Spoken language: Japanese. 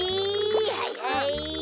はいはい。